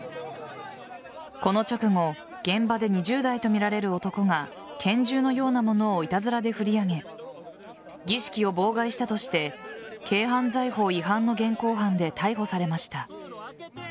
この直後現場で２０代とみられる男が拳銃のようなものをいたずらで振り上げ儀式を妨害したとして軽犯罪法違反の現行犯で逮捕されました。